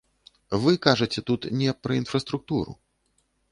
Вы кажаце тут не пра інфраструктуру.